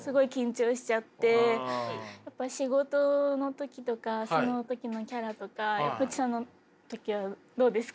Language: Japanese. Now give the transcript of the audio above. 仕事の時とかその時のキャラとかロッチさんの時はどうですか？